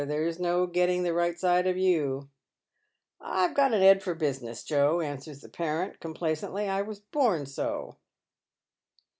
There's no getting tho right side of you." " I've got an 'ed for business, Joe," answers the parent, com placently. " I was born so."